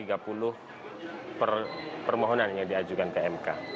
ini adalah permohonan yang diajukan ke mk